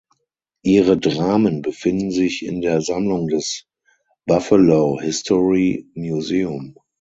Ihre Dramen befinden sich in der Sammlung des Buffalo History Museum.